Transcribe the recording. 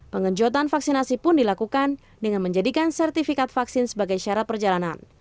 pengenjotan vaksinasi pun dilakukan dengan menjadikan sertifikat vaksin sebagai syarat perjalanan